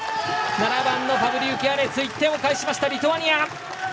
７番のパブリウキアネツ１点を返しました、リトアニア。